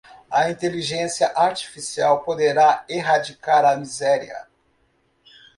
A inteligência artificial poderá erradicar a miséria